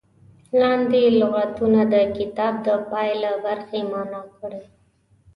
لاندې لغتونه د کتاب د پای له برخې معنا کړي.